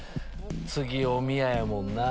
次おみややもんな。